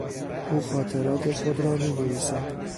او خاطرات خود را مینویسد.